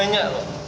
oh gitu ya